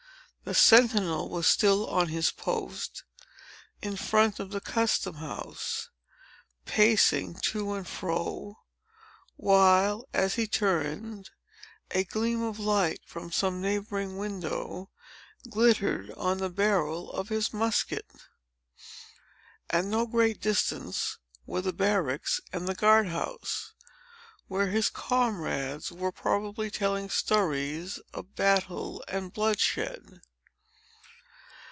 The sentinel was still on his post, in front of the custom house, pacing to and fro, while, as he turned, a gleam of light, from some neighboring window, glittered on the barrel of his musket. At no great distance were the barracks and the guard house, where his comrades were probably telling stories of battle and bloodshed.